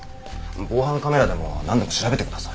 防犯カメラでもなんでも調べてください。